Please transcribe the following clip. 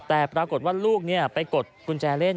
แต่ปรากฏว่าลูกไปกดกุญแจเล่น